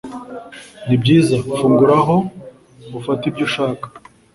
nibyiza, fungura aho ufate ibyo ushaka.